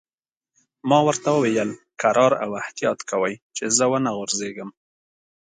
ما ورته وویل: کرار او احتیاط کوئ، چې زه و نه غورځېږم.